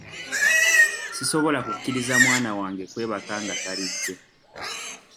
Sisobola kukkiriza mwana wange kwebaka nga talidde.